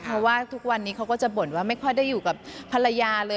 เพราะว่าทุกวันนี้เขาก็จะบ่นว่าไม่ค่อยได้อยู่กับภรรยาเลย